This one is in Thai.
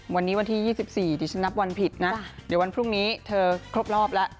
วันนี้วันที่๒๔ดิฉันนับวันผิดนะเดี๋ยววันพรุ่งนี้เธอครบรอบแล้ว